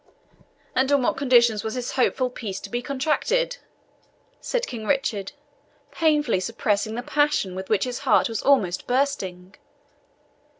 "And on what conditions was this hopeful peace to be contracted?" said King Richard, painfully suppressing the passion with which his heart was almost bursting.